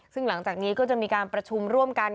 ซึ่งหลังจากนี้ก็จะมีการประชุมร่วมกัน